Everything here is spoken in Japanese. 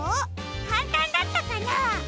かんたんだったかな？